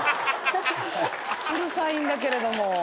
うるさいんだけれども。